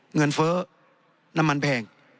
เงินเฟ้อน้ำมันแพง